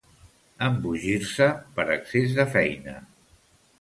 Embogir-se per excés de feina.